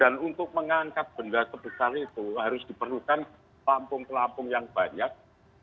dan untuk mengangkat benda sebesar itu harus diperlukan pelampung pelampung yang banyak